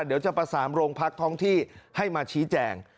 เดี๋ยวจะประสานโรงพักท้องที่ให้มาชี้แจง